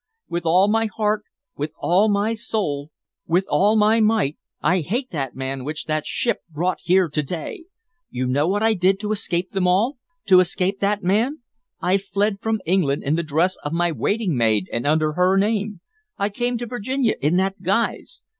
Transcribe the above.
With all my heart, with all my soul, with all my might, I hate that man which that ship brought here to day! You know what I did to escape them all, to escape that man. I fled from England in the dress of my waiting maid and under her name. I came to Virginia in that guise.